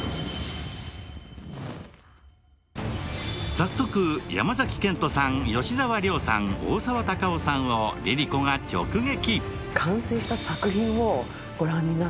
早速、山崎賢人さん、吉沢亮さん、大沢たかおさんをＬｉＬｉＣｏが直撃。